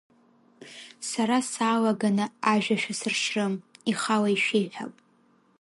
Сара саалаганы ажәа шәасыршьрым, ихала ишәеиҳәап.